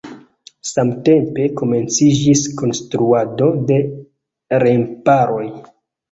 Samtempe komenciĝis konstruado de remparoj.